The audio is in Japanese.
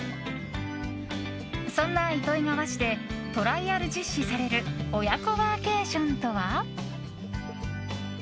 そんな糸魚川市でトライアル実施される親子ワーケーションとは？